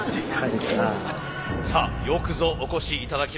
さあよくぞお越しいただきました。